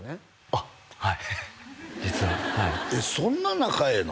あっはい実ははいえっそんな仲ええの？